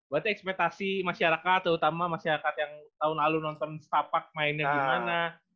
berarti ekspektasi masyarakat terutama masyarakat yang tahun lalu nonton setapak mainnya gimana